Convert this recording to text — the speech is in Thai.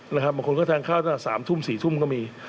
นะครับบางคนก็ทางข้าวตั้งแต่สามทุ่มสี่ทุ่มก็มี